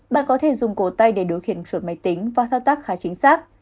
bạn có thể dùng cổ tay để điều khiển chuột máy tính và thao tác khá chính xác